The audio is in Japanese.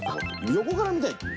横から見たい。